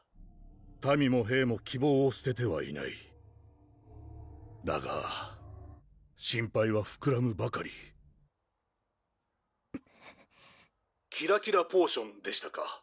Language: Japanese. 民も兵も希望をすててはいないだが心配はふくらむばかり「キラキラポーションでしたか？」